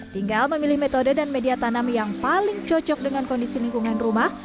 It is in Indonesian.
tinggal memilih metode dan media tanam yang paling cocok dengan kondisi lingkungan rumah